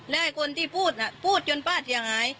แล้วคนที่พูดพูดจนปลาดอย่างไร